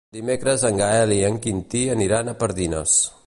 Dimecres en Gaël i en Quintí aniran a Pardines.